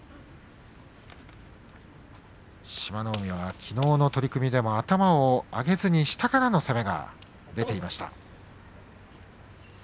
海はきのうの取組でも頭を上げずに下から攻めていきました。